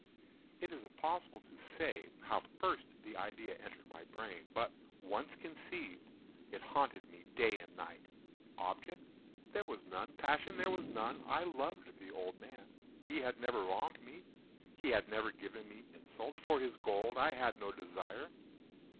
It is impossible to say how first the idea entered my brain; but once conceived, it haunted me day and night. Object there was none. Passion there was none. I loved the old man. He had never wronged me. He had never given me insult. For his gold I had no desire.